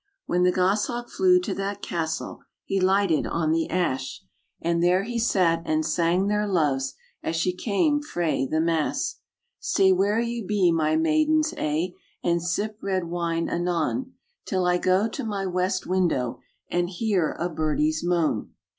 When the gos hawk flew to that castle, He lighted on the ash; RAINBOW GOLD And there he sat and sang their loves As she came frae the mass. "Stay where ye be, my maidens a', And sip red wine anon, Till I go to my west window And hear a birdie's moan."